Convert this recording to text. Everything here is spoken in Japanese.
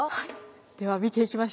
では見ていきましょう。